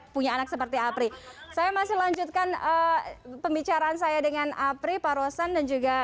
punya anak seperti apri saya masih lanjutkan pembicaraan saya dengan apri pak rosan dan juga